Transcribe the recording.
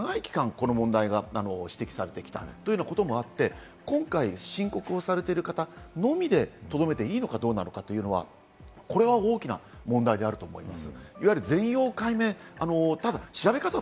この問題が指摘されてきたということもあって、今回、申告をされている方のみでとどめていいのか、どうなのかというのは大きな問題であると思います。